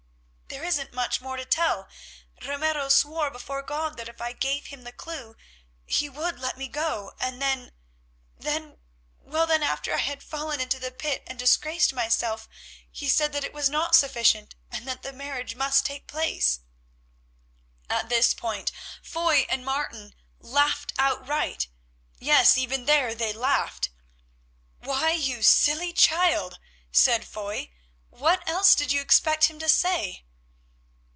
"There isn't much more to tell. Ramiro swore before God that if I gave him the clue he would let me go, and then—then, well, then, after I had fallen into the pit and disgraced myself, he said that it was not sufficient, and that the marriage must take place." At this point Foy and Martin laughed outright. Yes, even there they laughed. "Why, you silly child," said Foy, "what else did you expect him to say?"